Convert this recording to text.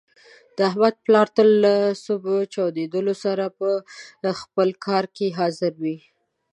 د احمد پلار تل له صبح چودېدلو سره په خپل کار کې حاضر وي.